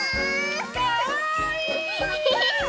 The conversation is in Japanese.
かわいい！